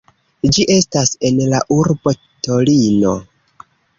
Ĝi estas en la urbo Torino.